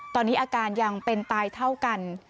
ตอนนี้อาการยังเป็นตายเท่ากัน